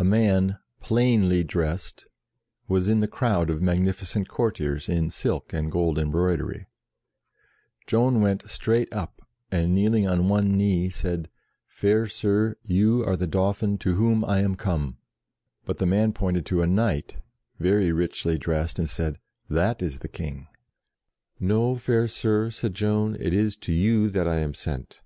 A man plainly dressed was in the crowd of magnificent courtiers in silk and gold embroidery. Joan went straight up, and kneeling on one knee, said, "Fair Sir, you are the Dauphin to whom I am come." But the man pointed to a knight, very richly dressed, and said, " That is the King." IK ' Joan kneeling to the King in the hall at Chi SEES THE DAUPHIN 29 "No, fair Sir," said Joan; "it is to you that I am sent."